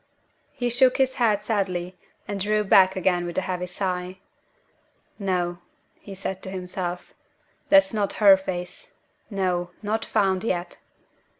He shook his head sadly, and drew back again with a heavy sigh. "No!" he said to himself, "that's not her face. No! not found yet."